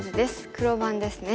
黒番ですね。